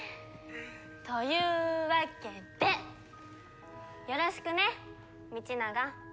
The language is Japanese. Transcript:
というわけでよろしくね道長。